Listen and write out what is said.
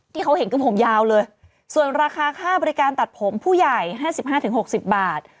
ที่เขาเห็นคือผมยาวเลยส่วนราคาค่าบริการตัดผมผู้ใหญ่๕๕๖๐บาท